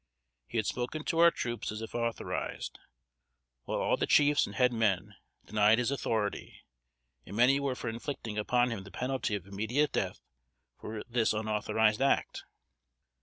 He had spoken to our troops as if authorized, while all the chiefs and head men denied his authority, and many were for inflicting upon him the penalty of immediate death for this unauthorized act.